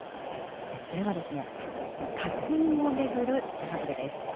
それはですね、課金を巡るトラブルです。